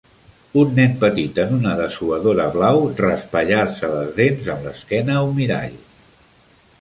Un nen petit en un dessuadora blau raspallar-se les dents amb l'esquena a un mirall